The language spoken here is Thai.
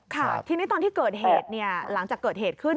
ค่ะทีนี้ตอนที่เกิดเหตุหลังจากเกิดเหตุขึ้น